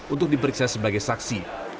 untuk diperiksa sebagai saksi